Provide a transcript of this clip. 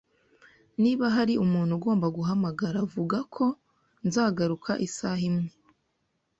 Niba hari umuntu ugomba guhamagara, vuga ko nzagaruka isaha imwe